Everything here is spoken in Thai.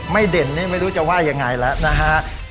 เด่นนี่ไม่รู้จะว่ายังไงแล้วนะฮะ